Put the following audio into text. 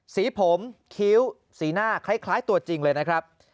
สีผมคิ้วสีหน้าคล้ายตัวจริงเลยนะครับ